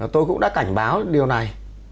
tôi cũng đã cảnh báo điều này